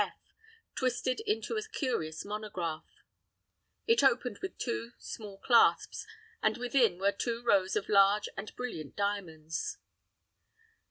S. F. twisted into a curious monograph. It opened with two small clasps, and within were two rows of large and brilliant diamonds.